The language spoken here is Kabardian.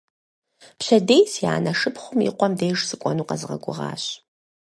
Пщэдей си анэ шыпхъум и къуэм деж сыкӀуэну къэзгъэгугъащ.